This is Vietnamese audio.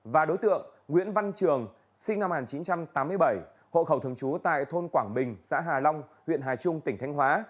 và đối tượng nguyễn văn trường sinh năm một nghìn chín trăm tám mươi bảy hộ khẩu thường trú tại thôn quảng bình xã hà long huyện hà trung tỉnh thanh hóa